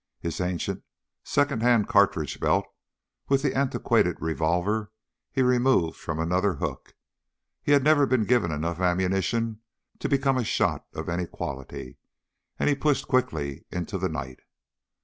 His ancient, secondhand cartridge belt with the antiquated revolver he removed from another hook he had never been given enough ammunition to become a shot of any quality and he pushed quickly into the night.